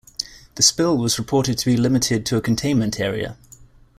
The spill was reported to be limited to a containment area.